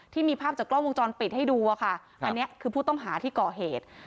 ที่มีภาพจากกล้องวงจรปิดให้ดูอะค่ะอันนี้คือผู้ต้องหาที่ก่อเหตุ